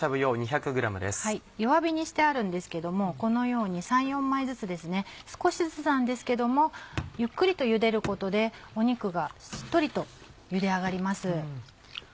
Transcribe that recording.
弱火にしてあるんですけどもこのように３４枚ずつですね少しずつなんですけどもゆっくりと茹でることで肉がしっとりと茹で上がります。